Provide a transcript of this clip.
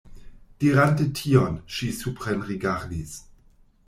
Dirante tion, ŝi suprenrigardis.